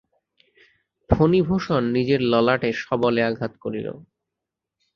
ফণিভূষণ নিজের ললাটে সবলে আঘাত করিল।